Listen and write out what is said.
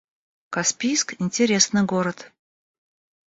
Каспийск — интересный город